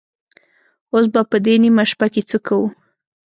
اوس به په دې نيمه شپه کې څه کوو؟